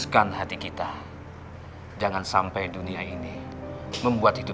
bapak bapak bapak dan ibu ibu